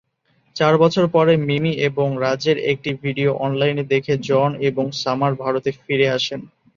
চার বছর পরে, মিমি এবং রাজের একটি ভিডিও অনলাইনে দেখে জন এবং সামার ভারতে ফিরে আসেন।